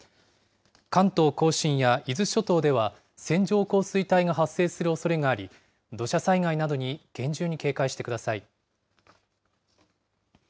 関東甲信や伊豆諸島では、線状降水帯が発生するおそれがあり、土砂災害などに厳重に警戒してください。